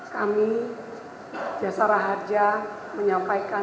kami jasa raja menyampaikan